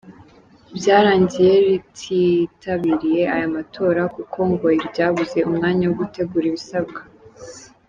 Byarangiye rititabiriye aya matora kuko ngo ryabuze umwanya wo gutegura ibisabwa.